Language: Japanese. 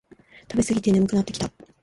食べすぎて眠くなってきた